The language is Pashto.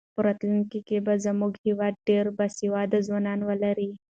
په راتلونکي کې به زموږ هېواد ډېر باسواده ځوانان ولري.